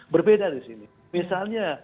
berbeda disini misalnya